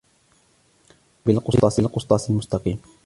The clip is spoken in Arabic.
وزنوا بالقسطاس المستقيم